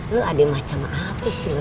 lo adek macam apa sih lo